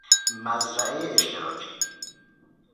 مزرعه اشتراکی